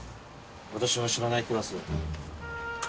私の知らないクラス。